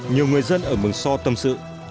nhiều người dân ở mường so tâm sự